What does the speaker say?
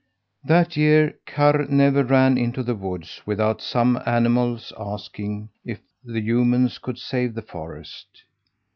That year Karr never ran into the woods without some animal's asking if the humans could save the forest.